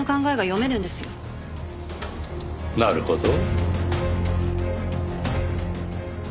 なるほど。